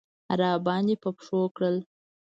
راباندې په پښو کړل.